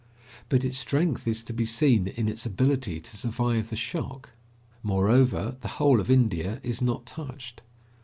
But its strength is to be seen in its ability to survive the shock. Moreover, the whole of India is not touched.